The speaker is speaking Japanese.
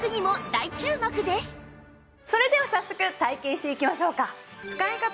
それでは早速体験していきましょうか。